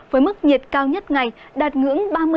với mức nhiệt cao nhất ngày đạt ngưỡng